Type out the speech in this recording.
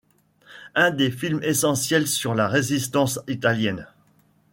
Un des films essentiels sur la Résistance italienne.